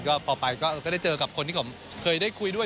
ก็พอไปก็ได้เจอกับคนที่ผมเคยได้คุยด้วย